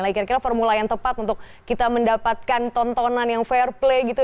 lagi kira kira formula yang tepat untuk kita mendapatkan tontonan yang fair play gitu